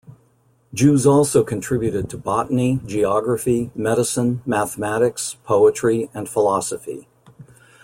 Jews also contributed to botany, geography, medicine, mathematics, poetry and philosophy.